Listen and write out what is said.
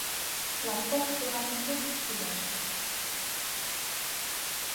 Латкок шӧран лупш кӱлеш.